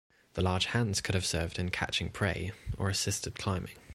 The large hands could have served in catching prey or assisted climbing.